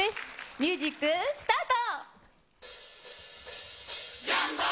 ミュージックスタート。